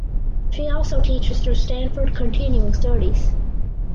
She also teaches through Stanford Continuing Studies.